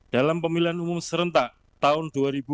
dalam pemilihan umum serentak tahun dua ribu dua puluh